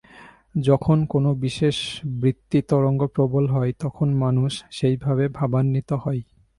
যখন কোন বিশেষ বৃত্তিতরঙ্গ প্রবল হয়, তখন মানুষ সেই ভাবে ভাবান্বিত হয়।